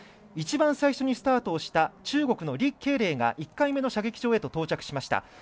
一番最初にスタートした中国の李慧玲が１回目の射撃場へと到着しました。